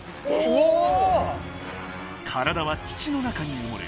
体は土の中に埋もれ